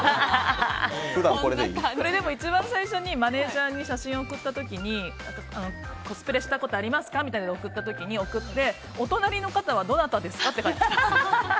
でも、一番最初にマネジャーに写真を送った時コスプレしたことありますかって送った時お隣の方はどなたですか？って聞かれました。